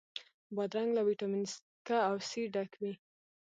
بادرنګ له ویټامین K او C ډک وي.